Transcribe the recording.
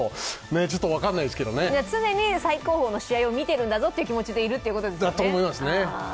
常に最高峰の試合を見てるんだぞという気持ちでいるんですね。